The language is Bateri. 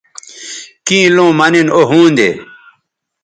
کیں لوں مہ نن او ھوندے